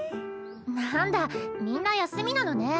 なんだみんな休みなのね。